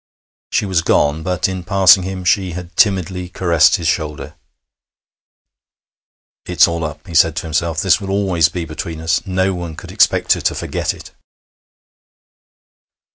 She was gone, but in passing him she had timidly caressed his shoulder. 'It's all up,' he said to himself. 'This will always be between us. No one could expect her to forget it.'